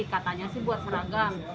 katanya sih buat seragam